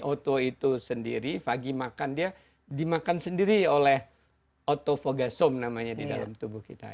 oto itu sendiri pagi makan dia dimakan sendiri oleh otofogasom namanya di dalam tubuh kita